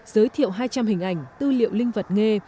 giới thiệu hai trăm linh hình ảnh tư liệu linh vật nghề